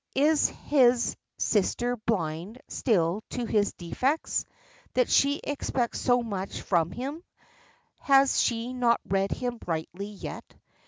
Is his sister blind still to his defects, that she expects so much from him; has she not read him rightly yet?